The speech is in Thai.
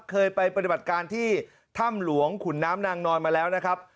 เคยไปปฏิบัติการที่ถ้ำหลวงขุนน้ำนางนอนมาแล้วนะครับ